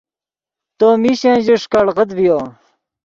تو میشن ژے ݰیکڑغیت ڤیو